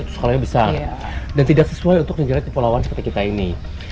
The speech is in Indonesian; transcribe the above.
skalanya besar dan tidak sesuai untuk negara kepulauan seperti kita ini